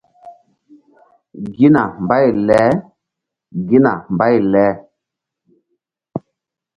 Gina mbay leGina mbay le.